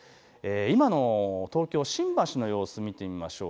今の東京新橋の様子を見てみましょう。